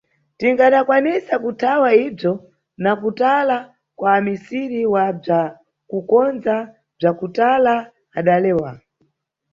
Tingadakwanisa kuthawa ibzwo na kutala kwa amisiri wa bzwa kukondza, bzwa kutala, adalewa.